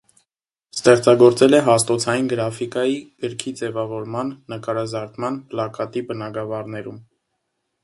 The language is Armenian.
Ստեղծագործել է հաստոցային գրաֆիկայի, գրքի ձևավորման, նկարազարդման, պլակատի բնագավառներում։